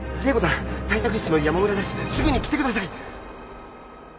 すぐに来てください！